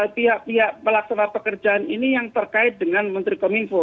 pihak pihak pelaksana pekerjaan ini yang terkait dengan menteri kominfo